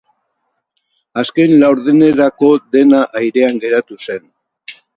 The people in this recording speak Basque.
Azken laurdenerako dena airean geratu zen.